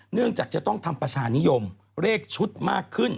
เนื่องจากจะต้องทำประชานิยมเลขชุดมากขึ้น